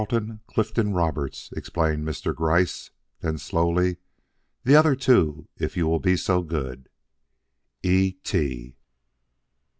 "Carleton Clifton Roberts," explained Mr. Gryce. Then slowly, "The other two if you will be so good." "E. T."